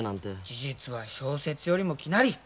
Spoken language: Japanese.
「事実は小説よりも奇なり」。